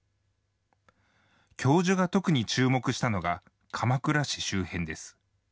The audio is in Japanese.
教授が特に注目したのが、鎌倉市周辺です。